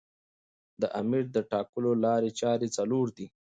د امیر د ټاکلو لاري چاري څلور دي.